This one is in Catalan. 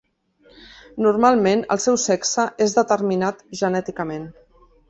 Normalment el seu sexe és determinat genèticament.